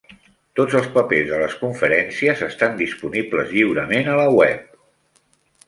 Tots els papers de les conferències estan disponibles lliurement a la web.